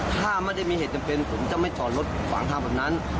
ถ้าไม่ได้มีเหตุจำเป็นผมจะไม่จอดรถขวางทางแบบนั้น